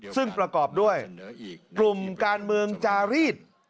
ซึ่งประกอบด้วยกลุ่มการเมืองจารีด